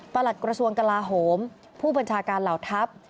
หลัดกระทรวงกลาโหมผู้บัญชาการเหล่าทัพ